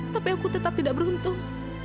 tapi aku tetap tidak beruntung